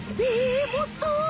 えもっと？